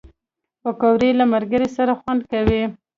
پکورې له ملګرو سره خوند کوي